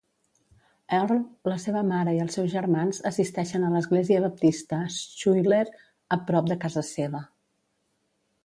Earl, la seva mare i els seus germans assisteixen a l'església baptista Schuyler, a prop de casa seva.